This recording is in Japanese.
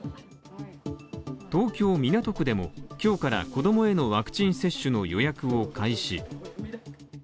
東京・港区でも、今日から子供へのワクチン接種の予約を開始。